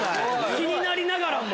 気になりながらも。